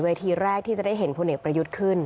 เวทีแรกที่จะได้เห็นผู้เหน็กประยุทธ์ขึ้น